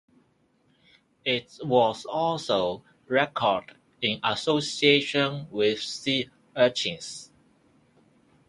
It was also recorded in association with sea urchins.